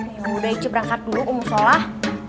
ya udah icok berangkat dulu umus sholat